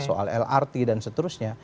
soal lrt dan seterusnya